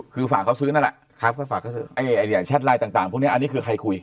คือฝากเขาซื้อนั่นแหละแชทไลน์ต่างพวกนี้อันนี้คือใครคุย